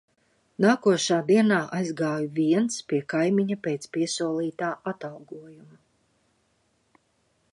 Nākošā dienā aizgāju viens pie kaimiņa pēc piesolītā atalgojuma.